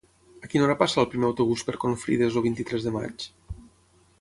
A quina hora passa el primer autobús per Confrides el vint-i-tres de maig?